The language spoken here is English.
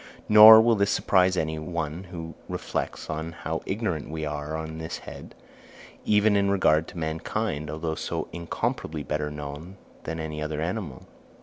Nor will this surprise any one who reflects how ignorant we are on this head, even in regard to mankind, although so incomparably better known than any other animal.